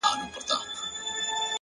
اراده د لارې خنډونه کوچني کوي